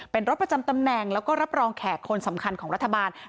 เป็นรถประจำตำแหน่งแล้วก็รับรองแขกคนสำคัญของรัฐบาล